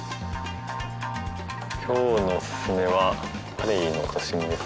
「今日のおすすめはカレイのお刺身です」。